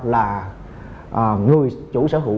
là người chủ sở hữu